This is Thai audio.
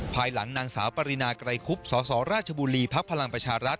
ภายหลังนางสาวปรินาไกรคุบสสราชบุรีภักดิ์พลังประชารัฐ